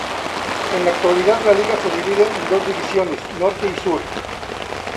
En la actualidad la liga se divide en dos divisiones, Norte y Sur.